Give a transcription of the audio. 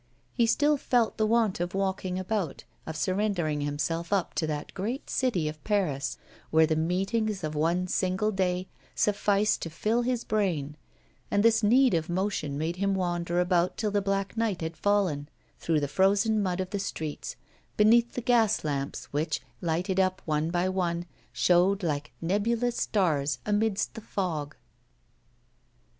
He still felt the want of walking about, of surrendering himself up to that great city of Paris, where the meetings of one single day sufficed to fill his brain; and this need of motion made him wander about till the black night had fallen, through the frozen mud of the streets, beneath the gas lamps, which, lighted up one by one, showed like nebulous stars amidst the fog.